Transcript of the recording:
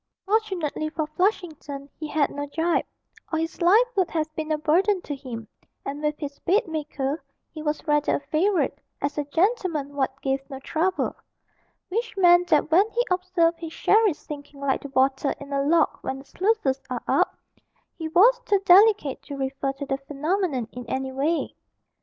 Fortunately for Flushington, he had no gyp, or his life would have been a burden to him, and with his bedmaker he was rather a favourite, as a 'gentleman what gave no trouble' which meant that when he observed his sherry sinking like the water in a lock when the sluices are up, he was too delicate to refer to the phenomenon in any way.